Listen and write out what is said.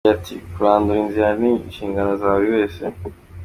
Agira ati "Kurandura inzara ni inshingano ya buri wese.